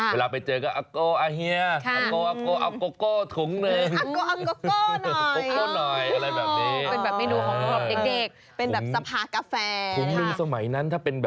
เวลาไปเจอก็อาโกอาเฮียอาโกอาโกอาโกโก้ถุงหนึ่ง